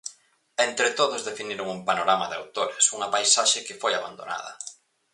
Entre todos definiron un panorama de autores, unha paisaxe que foi abandonada.